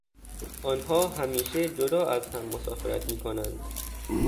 آنها همیشه جدا از هم مسافرت میکنند.